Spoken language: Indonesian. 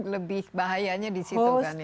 lebih bahayanya di situ kan ya